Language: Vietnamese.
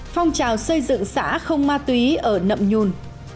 phong trào xây dựng xã không ma túy ở nậm nhùn